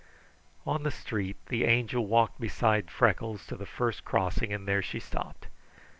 On the street the Angel walked beside Freckles to the first crossing and there she stopped.